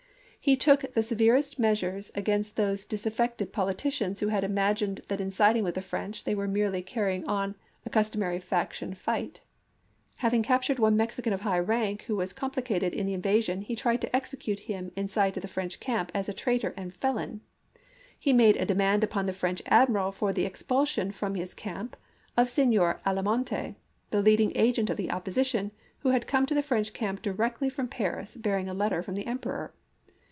He took the severest meas ures against those disaffected politicians who had imagined that in siding with the French they were merely carrying on a customary faction fight; having captured one Mexican of high rank who was complicated in the invasion he tried and executed him in sight of the French camp as a traitor and felon; he made a demand upon the French Admiral for the expulsion from his camp of Senor Almonte, the leading agent of the opposition who had come to the French camp directly from Paris bearing a letter from the Emperor.